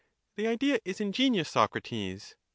The idea is ingenious, Socrates.